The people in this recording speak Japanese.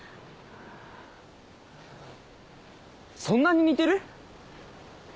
そんなに似てる？